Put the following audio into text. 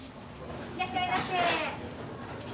いらっしゃいませ。